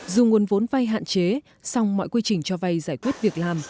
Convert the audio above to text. dù nguồn vốn vay hạn chế song mọi quy trình cho vay giải quyết việc làm